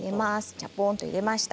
ちゃぽんと入れました。